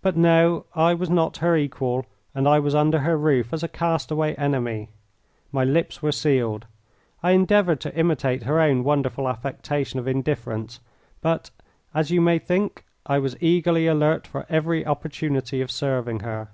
But no, I was not her equal, and I was under her roof as a castaway enemy. My lips were sealed. I endeavoured to imitate her own wonderful affectation of indifference, but, as you may think? I was eagerly alert for any opportunity of serving her.